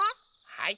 はい。